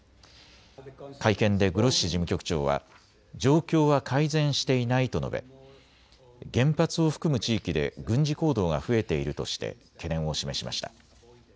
会見でグロッシ事務局長は状況は改善していないと述べ原発を含む地域で軍事行動が増えているとして懸念を示しました。